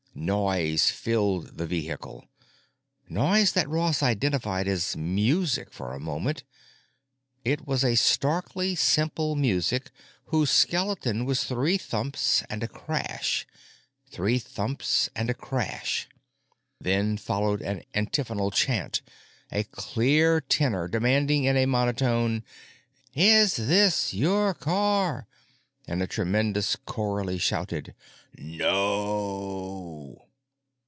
Noise filled the vehicle—noise that Ross identified as music for a moment. It was a starkly simple music whose skeleton was three thumps and a crash, three thumps and a crash. Then followed an antiphonal chant—a clear tenor demanding in a monotone: "Is this your car?" and a tremendous chorally shouted: "NO!"